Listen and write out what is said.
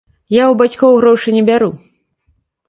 Я ў бацькоў грошы не бяру.